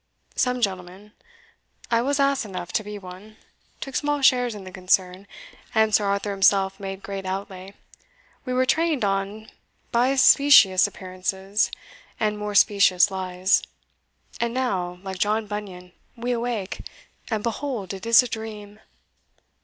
Some gentlemen I was ass enough to be one took small shares in the concern, and Sir Arthur himself made great outlay; we were trained on by specious appearances and more specious lies; and now, like John Bunyan, we awake, and behold it is a dream!"